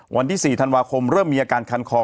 วันที่๔ธันวาคมเริ่มมีอาการคันคอ